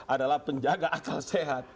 adalah penjaga akal sehat